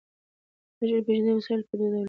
د اللَّهِ ج پيژندنې وسايل په دوه ډوله دي